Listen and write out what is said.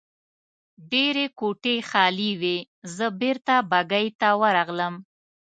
ډېرې کوټې خالي وې، زه بېرته بګۍ ته ورغلم.